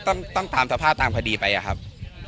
ต้องตามสภาพตามคดีไปอะครับ